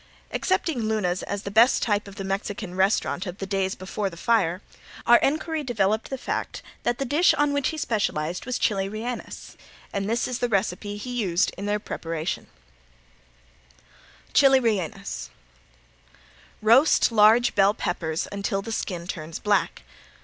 Accepting Luna's as the best type of the Mexican restaurant of the days before the fire, our inquiry developed the fact that the dish on which he specialized was chili reinas, and this is the recipe he used in their preparation: Chili Reinas Roast large bell peppers until the skin turns black.